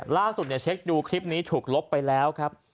เช็คดูคลิปนี้ถูกลบไปแล้วครับ